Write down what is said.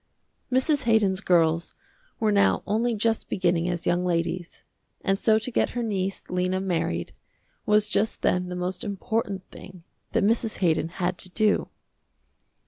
Mrs. Haydon's girls were now only just beginning as young ladies, and so to get her niece, Lena, married, was just then the most important thing that Mrs. Haydon had to do.